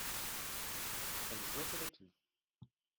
elle jouait avec lui.